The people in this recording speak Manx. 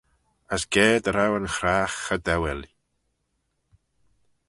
As ga dy row yn chragh cho dewil.